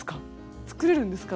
作れるんですか？